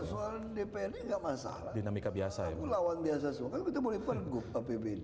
soal dprd nggak masalah aku lawan biasa soal itu kita boleh pergub apbd